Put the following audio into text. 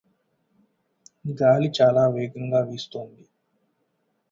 గాలి చాలా వేగంగా వీస్తోంది.